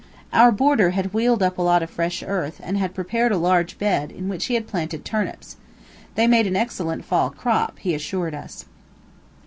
Our boarder had wheeled up a lot of fresh earth, and had prepared a large bed, in which he had planted turnips. They made an excellent fall crop, he assured us.